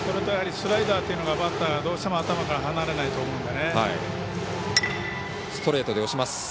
スライダーというのがバッターどうしても頭から離れないと思うので。